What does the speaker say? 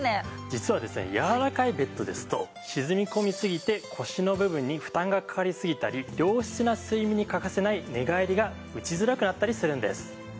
実はですねやわらかいベッドですと沈み込みすぎて腰の部分に負担がかかりすぎたり良質な睡眠に欠かせない寝返りが打ちづらくなったりするんです。